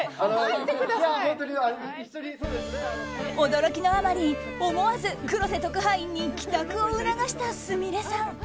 驚きのあまり思わず黒瀬特派員に帰宅を促した、すみれさん。